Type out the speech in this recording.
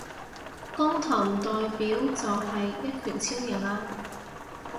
光頭唔代表就係一拳超人呀